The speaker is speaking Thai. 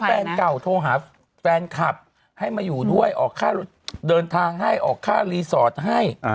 แฟนเก่าโทรหาแฟนคลับให้มาอยู่ด้วยออกค่าเดินทางให้ออกค่ารีสอร์ทให้